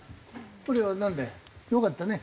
これはなんでよかったね。